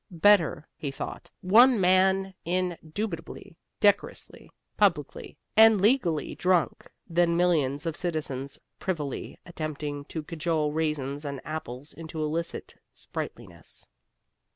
Better (he thought) one man indubitably, decorously, publicly, and legally drunk, than millions of citizens privily attempting to cajole raisins and apples into illicit sprightliness.